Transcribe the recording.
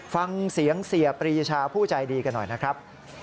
ฟังเสียงเสียปรีชาผู้ใจดีกันหน่อยนะครับ